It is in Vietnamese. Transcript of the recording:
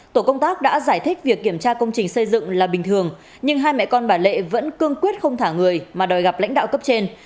tổ công tác đã giải thích việc kiểm tra công trình xây dựng là bình thường nhưng hai mẹ con bà lệ vẫn cương quyết không thả người mà đòi gặp lãnh đạo cấp trên